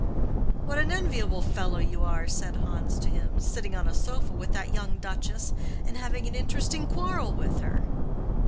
"What an enviable fellow you are," said Hans to him, "sitting on a sofa with that young duchess, and having an interesting quarrel with her!"